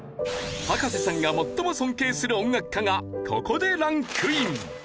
葉加瀬さんが最も尊敬する音楽家がここでランクイン。